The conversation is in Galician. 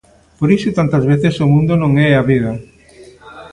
Por iso tantas veces o mundo non é a vida.